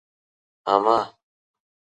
اما